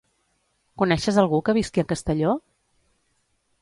Coneixes algú que visqui a Castelló?